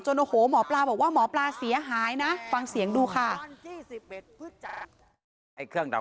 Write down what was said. จนหมอปลาบอกว่าหมอปลาเสียหายนะ